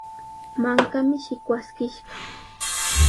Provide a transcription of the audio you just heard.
Mankami shikwaskishqa.